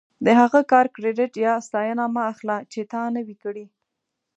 د هغه کار کریډیټ یا ستاینه مه اخله چې تا نه وي کړی.